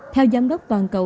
theo giám đốc toàn cầu